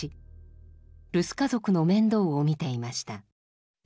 留守家族の面倒を見ていました。